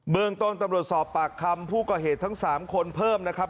เมืองต้นตำรวจสอบปากคำผู้ก่อเหตุทั้ง๓คนเพิ่มนะครับ